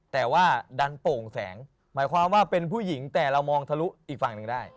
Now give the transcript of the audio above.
แต่ว่าดันโป่งแสงหมายความว่าเป็นผู้หญิงแต่เรามองทะลุอีกฝั่งหนึ่งได้